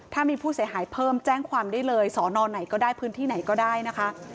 ถ้ามีผู้เสียหายเพิ่มแจ้งความได้เลยสอนอไหนก็ได้พื้นที่ไหนก็ได้นะคะ